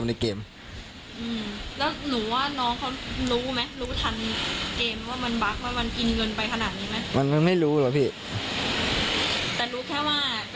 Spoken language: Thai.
ใช่ครับผม